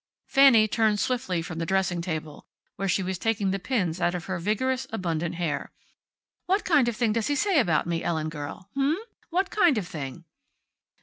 Fanny turned swiftly from the dressing table, where she was taking the pins out of her vigorous, abundant hair. "What kind of thing does he say about me, Ellen girl. H'm? What kind of thing?"